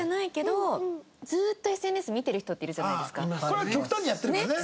これは極端にやってるからね。